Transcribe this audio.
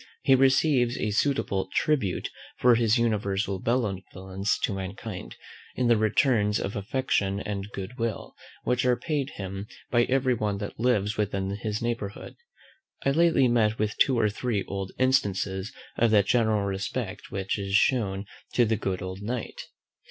He receives a suitable tribute for his universal benevolence to mankind, in the returns of affection and good will, which are paid him by every one that lives within his neighbourhood. I lately met with two or three odd instances of that general respect which is shewn to the good old Knight.